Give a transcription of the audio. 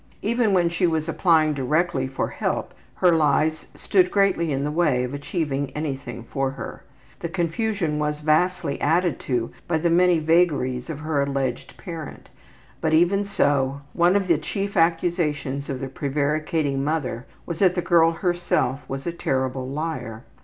Even when she was applying directly for help her lies stood greatly in the way of achieving anything for her. The confusion was vastly added to by the many vagaries of her alleged parent, but, even so, one of the chief accusations of the prevaricating mother was that the girl herself was a terrible liar.